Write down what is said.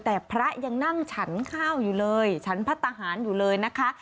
แต่พระยังนั่งฉันข้าวอยู่เลยฉันพัฒนาหารอยู่เลยนะคะ